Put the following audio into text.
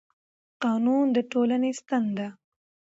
قانون د ټولنې ستن ده